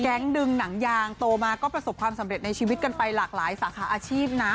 ดึงหนังยางโตมาก็ประสบความสำเร็จในชีวิตกันไปหลากหลายสาขาอาชีพนะ